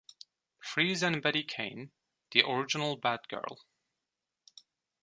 Freeze and Betty Kane, the original Bat-Girl.